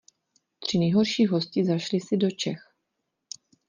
Tři nejhorší hosti zašli si do Čech.